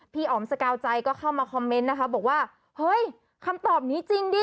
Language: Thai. อ๋อมสกาวใจก็เข้ามาคอมเมนต์นะคะบอกว่าเฮ้ยคำตอบนี้จริงดิ